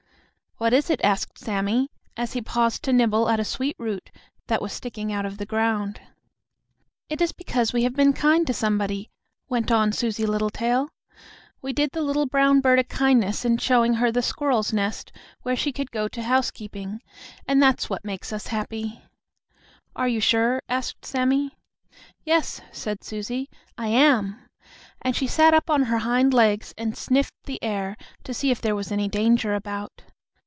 "What is it?" asked Sammie, as he paused to nibble at a sweet root that was sticking out of the ground. "It is because we have been kind to somebody," went on Susie Littletail. "We did the little brown bird a kindness in showing her the squirrel's nest where she could go to housekeeping, and that's what makes us happy." "Are you sure?" asked Sammie. "Yes," said Susie; "I am," and she sat up on her hind legs and sniffed the air to see if there was any danger about.